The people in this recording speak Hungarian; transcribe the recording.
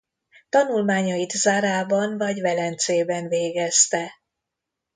Tanulmányait Zárában vagy Velencében végezte.